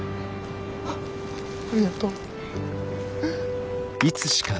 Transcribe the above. あありがとう。